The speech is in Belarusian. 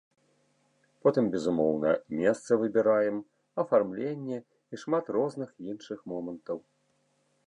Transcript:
Потым, безумоўна, месца выбіраем, афармленне і шмат розных іншых момантаў.